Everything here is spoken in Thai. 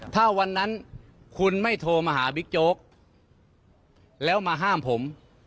ถ้าวันนั้นคุณไม่โทรมาหาบิ๊กโจ๊กแล้วมาห้ามผม